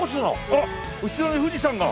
あらっ後ろに富士山が。